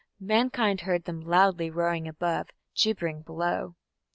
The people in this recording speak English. Mankind heard them "loudly roaring above, gibbering below".